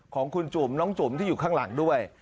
ของคุณจุ๋มน้องจุ๋มที่อยู่ข้างหลังด้วย